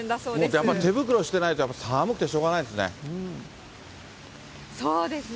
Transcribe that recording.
やっぱり手袋してないと、やっぱり寒くてしょうがないですね。